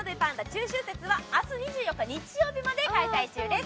中秋節は明日２４日日曜日まで開催中です。